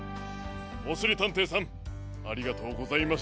おしりたんていさんありがとうございまし。